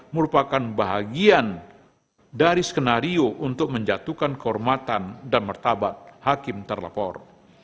merupakan bahagian dari skenario untuk menjatuhkan kehormatan dan martabat hakim terlapor